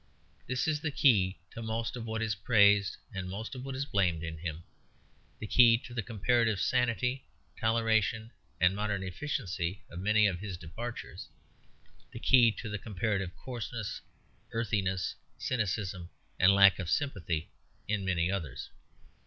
This is the key to most of what is praised and most of what is blamed in him; the key to the comparative sanity, toleration and modern efficiency of many of his departures; the key to the comparative coarseness, earthiness, cynicism, and lack of sympathy in many others.